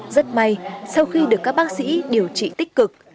rất may sau khi được các bác sĩ điều trị tích cực